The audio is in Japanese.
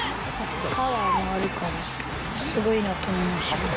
パワーもあるから、すごいなと思いました。